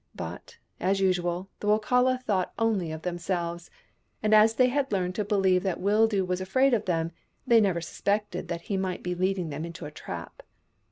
But, as usual, the Wokala thought only of themselves, and as they had learned to believe that Wildoo was afraid of them, they never suspected that he might be leading them into a trap.